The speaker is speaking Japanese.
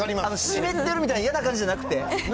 湿ってるみたいな嫌な感じじゃなくて？